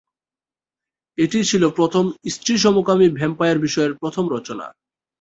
এটিই ছিল প্রথম স্ত্রী-সমকামী ভ্যাম্পায়ার বিষয়ের প্রথম রচনা।